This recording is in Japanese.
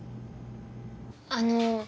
あの